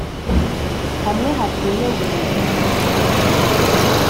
hamwe hatuye burugaravu